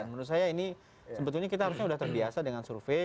menurut saya ini sebetulnya kita harusnya sudah terbiasa dengan survei